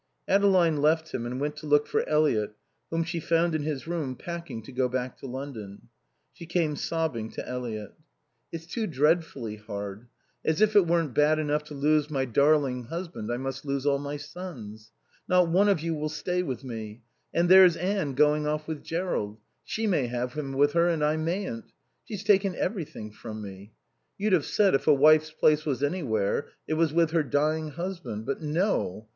Adeline left him and went to look for Eliot whom she found in his room packing to go back to London. She came sobbing to Eliot. "It's too dreadfully hard. As if it weren't bad enough to lose my darling husband I must lose all my sons. Not one of you will stay with me. And there's Anne going off with Jerrold. She may have him with her and I mayn't. She's taken everything from me. You'd have said if a wife's place was anywhere it was with her dying husband. But no.